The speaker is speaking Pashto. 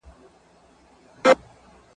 آیا ژوند تر مرګ ارزښتناک دی؟